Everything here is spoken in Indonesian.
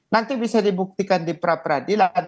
nanti bisa dibuktikan di pra peradilan